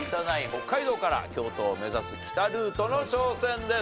北海道から京都を目指す北ルートの挑戦です。